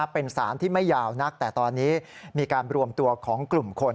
เป็นสารที่ไม่ยาวนักแต่ตอนนี้มีการรวมตัวของกลุ่มคน